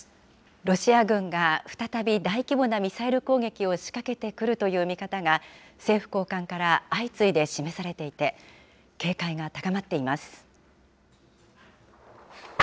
ロシア軍が再び大規模なミサイル攻撃を仕掛けてくるという見方が、政府高官から相次いで示されていて、警戒が高まっています。